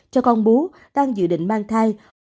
cho con bú đang dự định mang thai